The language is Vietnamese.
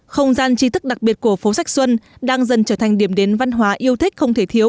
không gian chi thức đặc biệt của phố sách xuân đang dần trở thành điểm đến văn hóa yêu thích không thể thiếu